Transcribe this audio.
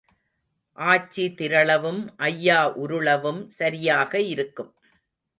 ஆச்சி திரளவும் ஐயா உருளவும் சரியாக இருக்கும்.